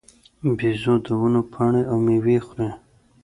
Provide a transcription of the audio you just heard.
بیزو د ونو پاڼې او مېوې خوري.